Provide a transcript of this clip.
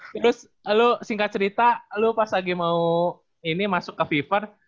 terus lu singkat cerita lu pas lagi mau ini masuk ke viver